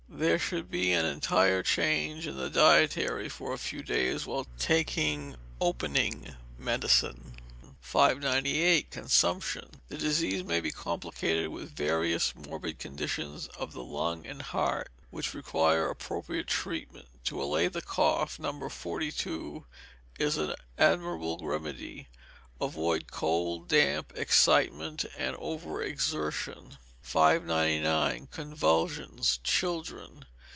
There should be an entire change in the dietary for a few days while taking opening medicine. 598. Consumption. The disease may be complicated with various morbid conditions of the lungs and heart, which require appropriate treatment. To allay the cough, No. 42 is an admirable remedy. Avoid cold, damp, excitement, and over exertion. 599. Convulsions (Children).